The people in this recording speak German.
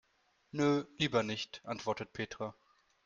Nö, lieber nicht, antwortet Petra.